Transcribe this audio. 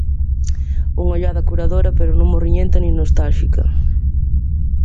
Unha ollada curadora pero "non morriñenta nin nostálxica".